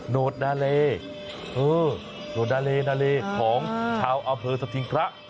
โนดนาเลโนดาเลนาเลของชาวอำเภอสถิงพระ